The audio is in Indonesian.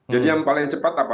jadi yang paling cepat apa